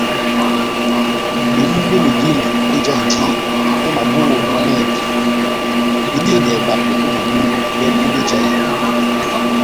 Bebumbu be medímo bejahindi o maboho mɔ mɛhɛpi mediyedɛhɛ bato o bebumbu bɛbu bejahinɔ.